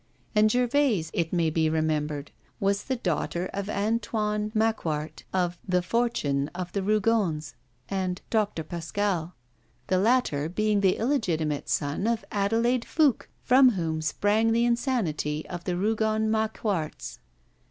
And Gervaise, it may be remembered, was the daughter of Antoine Macquart (of 'The Fortune of the Rougons' and 'Dr. Pascal'), the latter being the illegitimate son of Adelaide Fouque, from whom sprang the insanity of the Rougon Macquarts.